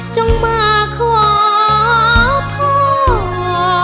จงมาขอพ่อ